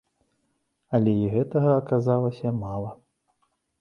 Але і гэтага аказалася мала.